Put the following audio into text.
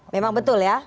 memang betul ya